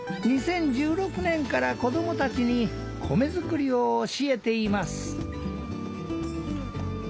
２０１６年から子供たちに米作りを教えています。